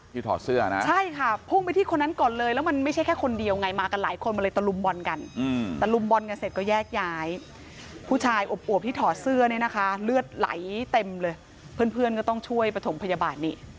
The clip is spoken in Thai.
ถอดเสื้อนะใช่ค่ะพุ่งไปที่คนนั้นก่อนเลยแล้วมันไม่ใช่แค่คนเดียวไงมากันหลายคนมาเลยตะลุมบอลกันตะลุมบอลกันเสร็จก็แยกย้ายผู้ชายอบที่ถอดเสื้อเนี่ยนะคะเลือดไหลเต็มเลยเพื่อนก็ต้องช่วยประถมพยาบาลนี่